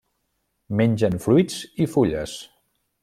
Mengen fruits i fulles.